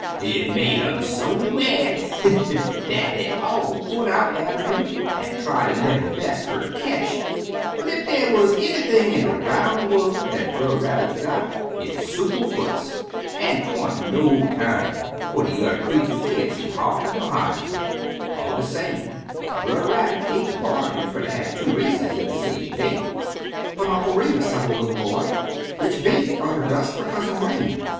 "It make um so mad, dat dey all put out atter 'im, an' try der level best fer ter ketch, but ef dey wuz anything in de roun' worl' dat Brer Rabbit's got, it's soople foots, an' 'twant no time 'fo' de yuther creeturs can't see ha'r ner hide un 'im! All de same Brer Rabbit aint bargain fer ter have two races de same day." "But, Uncle Remus," said the little boy, "which beat, Brother Dust or Cousin Rain?"